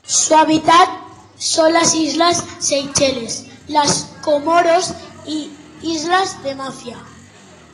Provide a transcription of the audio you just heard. Su hábitat son las islas Seychelles, las Comoros y Isla de Mafia.